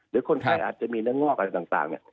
หรือคนไทยอาจจะมีเนื้องอกอะไรต่างเนี่ย